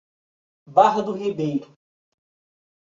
Barra do Ribeiro